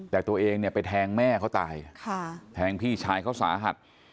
แต่ตัวเองเนี่ยไปแทงแม่เขาตายแทงพี่ชายเขาสาหัส